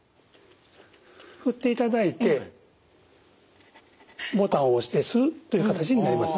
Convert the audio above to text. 振っていただいてボタンを押して吸うという形になります。